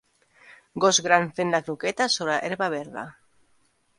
Gos gran fent la croqueta sobre herba verda.